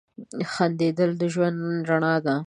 • خندېدل د ژوند رڼا ده.